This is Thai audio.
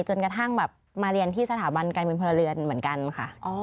จนกระทั่งแบบมาเรียนที่สถาบันการบินพลเรือนเหมือนกันค่ะ